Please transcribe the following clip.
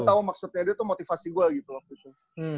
cuman gue tau maksudnya dia itu motivasi gue gituoon